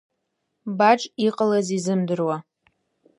Баџ иҟалаз изымдыруа.